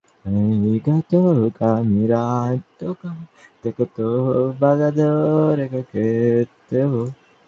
তখন তাকে তাড়া করবার কেউ নেই, পাহারাওয়ালারা সকলেই ক্লান্ত।